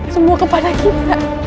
semua kepada kita